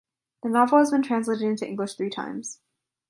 The novel has been translated into English three times.